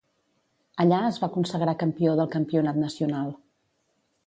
Allà es va consagrar campió del Campionat Nacional.